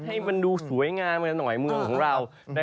ให้มันดูสวยงามกันหน่อยเมืองของเรา